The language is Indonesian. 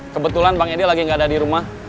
kebetulan bang edi lagi nggak ada di rumah